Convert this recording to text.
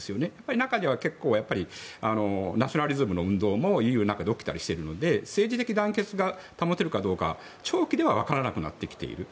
中には、ナショナリズムの運動もＥＵの中で起きたりしているので政治的団結が保てるかどうか、長期では分からなくなってきている。